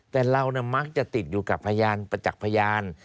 แต่เรามักจะติดอยู่กับพยานประจักษ์พยาน